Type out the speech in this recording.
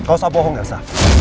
kau usah bohong garsa